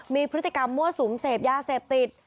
มีพฤติกรรมมั่วสุมเสพยาเสพติด